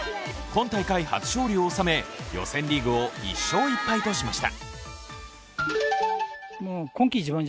今大会初勝利を収め、予選リーグを１勝１敗としました。